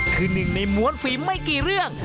คือหนึ่งในม้วนฝีมไม่กี่เรื่อง